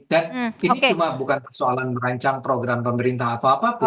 dan ini cuma bukan persoalan merancang program pemerintah atau apapun